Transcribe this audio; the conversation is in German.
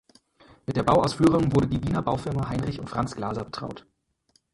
Mit der Bauausführung wurde die Wiener Baufirma Heinrich und Franz Glaser betraut.